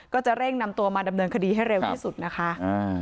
ก็จะเร่งนำตัวมาดำเนินคดีให้เร็วที่สุดนะคะ